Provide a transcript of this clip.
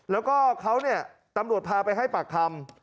แล้วก็เขาเนี่ยตำรวจพาไปให้ปากคำ